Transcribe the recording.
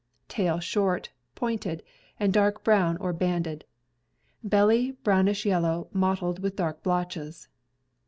Tail short, pointed, and dark brown or banded. Belly brownish yellow mottled with dark blotches.